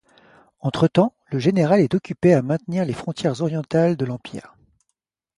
Entretemps, le général est occupé à maintenir les frontières orientales de l'empire.